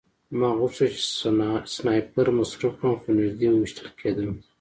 ما غوښتل چې سنایپر مصروف کړم خو نږدې ویشتل کېدم